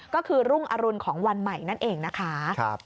ก็คือรุ่งอรุณของวันใหม่นั่นเองนะคะ